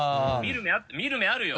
見る目あるよ。